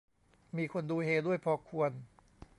มีคนดูเฮด้วยพอควร